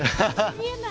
見えない。